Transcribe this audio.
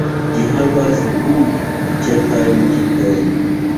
Ĝi havas du ĉefajn tipojn.